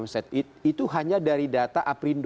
ongset itu hanya dari data aprindo